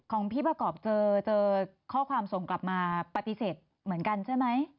ของพี่ประกอบเจอข้อความส่งกลับมาปฏิเสธเหมือนกันใช่ไหม